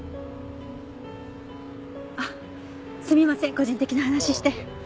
あっすみません個人的な話して。